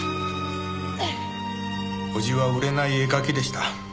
叔父は売れない絵描きでした。